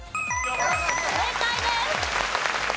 正解です。